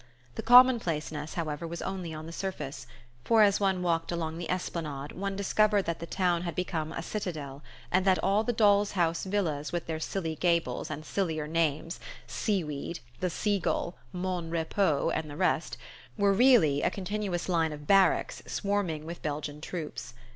The common placeness, however, was only on the surface; for as one walked along the esplanade one discovered that the town had become a citadel, and that all the doll's house villas with their silly gables and sillier names "Seaweed," "The Sea gull," "Mon Repos," and the rest were really a continuous line of barracks swarming with Belgian troops.